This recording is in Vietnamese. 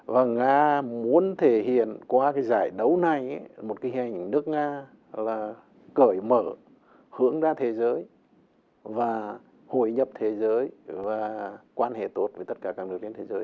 và nga muốn thể hiện qua giải đấu này một hình nước nga cởi mở hướng ra thế giới và hội nhập thế giới và quan hệ tốt với tất cả các nước trên thế giới